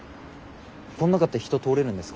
この中って人通れるんですか？